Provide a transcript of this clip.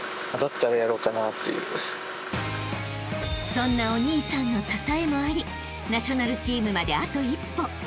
［そんなお兄さんの支えもありナショナルチームまであと一歩］